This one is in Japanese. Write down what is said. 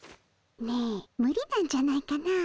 ねえ無理なんじゃないかな。